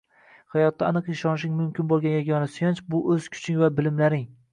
Hayotda aniq ishonishing mumkin bo‘lgan yagona suyanch – bu o‘z kuching va bilimlaring.